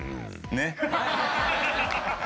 ねっ。